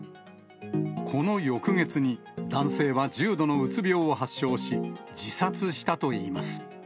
この翌月に、男性は重度のうつ病を発症し、自殺したといいます。